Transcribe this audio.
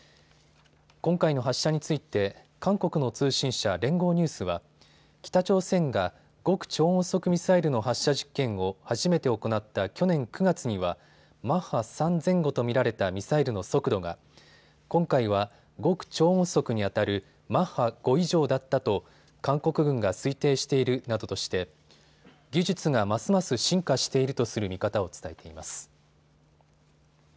今回の発射について韓国の通信社、連合ニュースは北朝鮮が極超音速ミサイルの発射試験を初めて行った去年９月にはマッハ３前後と見られたミサイルの速度が今回は極超音速にあたるマッハ５以上だったと韓国軍が推定しているなどとして技術がますます進化しているとする見方を伝えています。